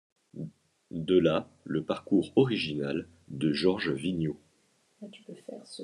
De là, le parcours original de Georges Vignaux.